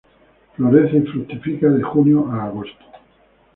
Florece y fructifica de junio a agosto.